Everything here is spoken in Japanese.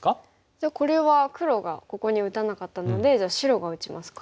じゃあこれは黒がここに打たなかったので白が打ちますか。